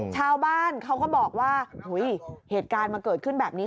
ชาวบ้านเขาก็บอกว่าเหตุการณ์มาเกิดขึ้นแบบนี้